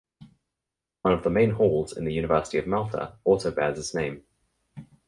One of the main halls in the University of Malta also bears his name.